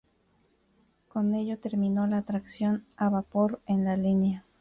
Con ello terminó la tracción a vapor en la línea.